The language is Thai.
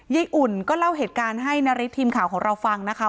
อุ่นก็เล่าเหตุการณ์ให้นาริสทีมข่าวของเราฟังนะคะ